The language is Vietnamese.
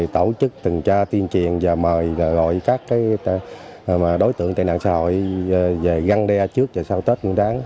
tổ chức từng tra tiên triền và mời gọi các đối tượng tệ nạn xã hội về găng đe trước và sau tết